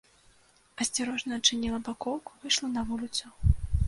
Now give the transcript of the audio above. Асцярожна адчыніла бакоўку, выйшла на вуліцу.